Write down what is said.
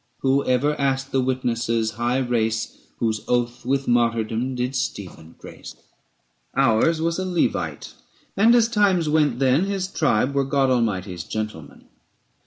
Who ever asked the witnesses' high race Whose oath with martyrdom did Stephen grace? Ours was a Levite, and as times went then, His tribe were God Almighty's gentlemen.